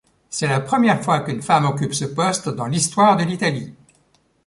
C'est la première fois qu'une femme occupe ce poste dans l'histoire de l'Italie.